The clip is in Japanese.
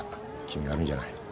君が悪いんじゃない。